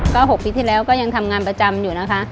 ก็๖ปีที่แล้วก็ยังทำงานประจำอยู่นะคะ